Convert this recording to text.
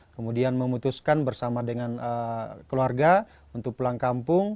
kemudian memutuskan bersama dengan keluarga untuk pulang kampung